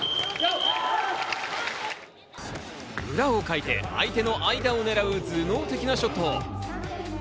裏をかいて相手の間を狙う頭脳的なショット。